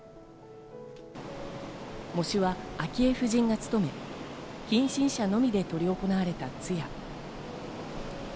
喪主は昭恵夫人が務め、近親者のみで執り行われた通夜。